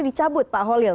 dicabut pak holil